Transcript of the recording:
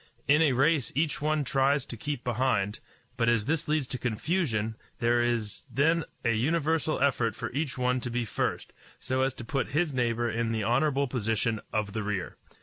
In a race each one tries to keep behind; but as this leads to confusion, there is then a universal effort for each one to be first, so as to put his neighbor in the honorable position of the rear.